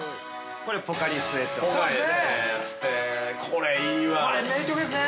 ◆これポカリスエットね。